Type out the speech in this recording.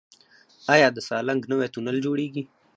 آیا د سالنګ نوی تونل جوړیږي؟